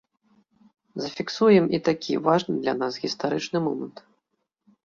Зафіксуем і такі важны для нас гістарычны момант.